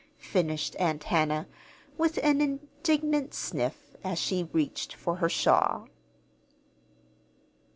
finished Aunt Hannah, with an indignant sniff, as she reached for her shawl.